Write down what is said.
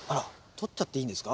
取っちゃっていいんですか？